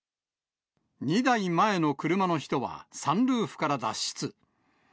２台前の車の人は、サンルーフから脱出。